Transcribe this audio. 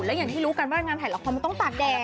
แล้วอย่างที่รู้กันว่างานถ่ายละครมันต้องตากแดด